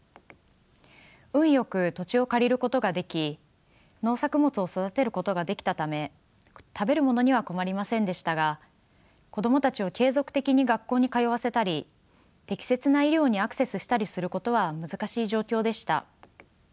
運よく土地を借りることができ農作物を育てることができたため食べるものには困りませんでしたが子供たちを継続的に学校に通わせたり適切な医療にアクセスしたりすることは難しい状況でした。